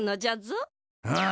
うん。